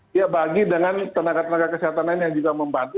dia bagi dengan tenaga tenaga kesehatan lain yang juga membantu